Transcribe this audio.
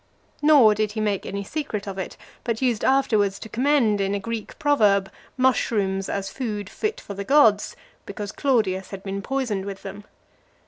Nor did he make any secret of it; but used afterwards to commend, in a Greek proverb, mushrooms as food fit for the gods, because Claudius had been poisoned with them.